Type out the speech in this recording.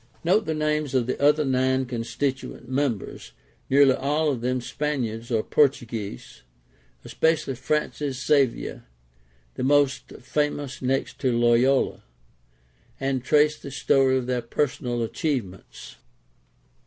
Note the names of the other nine constituent members (nearly all of them Spaniards or Portuguese), especially Francis Xavier, the most famous next to Loyola, and trace the story of their personal achievements.